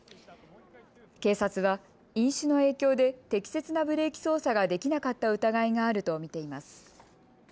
警察は、飲酒の影響で適切なブレーキ操作ができなかった疑いがあると見ています。